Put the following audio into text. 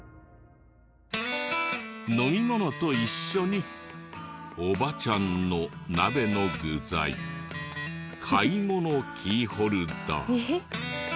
飲み物と一緒に「おばちゃんの鍋の具材買い物キーホルダー」。